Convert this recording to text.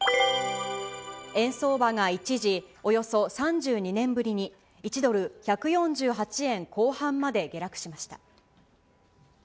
円相場が一時、およそ３２年ぶりに１ドル１４８円後半まで下落しました。